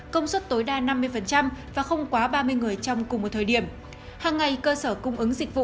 công suất tối đa năm mươi và không quá ba mươi người trong cùng một thời điểm